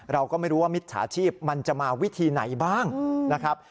เราก็ไม่รู้ว่ามิจฉาชีพมันจะมาวิธีไหนบ้างนะครับ